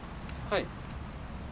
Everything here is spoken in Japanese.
はい。